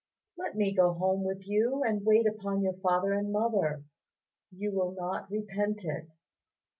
Let me go home with you and wait upon your father and mother; you will not repent it."